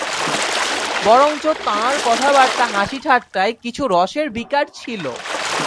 বরঞ্চ তাঁর কথাবার্তা-হাসিঠাট্টায় কিছু রসের বিকার ছিল।